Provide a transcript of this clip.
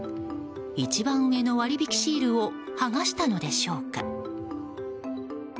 一番上の割引シールを剥がしたのでしょうか。